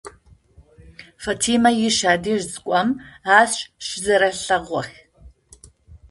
Фатимэ ыш ядэжьы зэкӏом ащ щызэрэлъэгъугъэх.